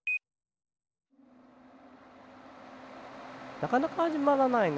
なかなかはじまらないな。